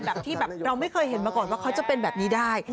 แบบที่แบบเราไม่เคยเห็นมาก่อนว่าเขาจะเป็นแบบนี้ได้